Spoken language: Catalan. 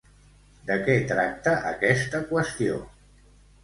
De què tracta aquesta qüestió?